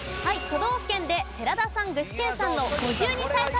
都道府県で寺田さん具志堅さんの５２歳差対決です。